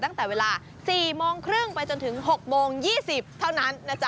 ตั้งแต่เวลา๔โมงครึ่งไปจนถึง๖โมง๒๐เท่านั้นนะจ๊